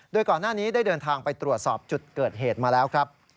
โดยก่อนหน้านี้ได้เดินทางไปตรวจสอบจุดเกิดเหตุมาแล้วครับ